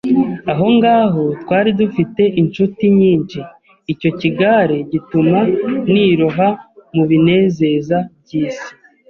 Aho ngaho twari dufite incuti nyinshi, icyo kigare gituma niroha mu binezeza by’isi